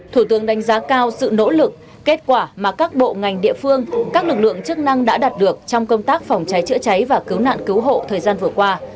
thủ tướng đánh giá cao sự nỗ lực kết quả mà các bộ ngành địa phương các lực lượng chức năng đã đạt được trong công tác phòng cháy chữa cháy và cứu nạn cứu hộ thời gian vừa qua